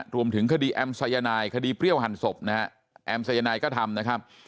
รวมถึงคดีแอมสายนายคดีเปรี้ยวหั่นศพนะฮะแอมสายนายก็ทำนะครับ